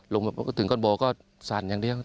ไปถึงก้นบ่อก็สั่นอย่างเดียว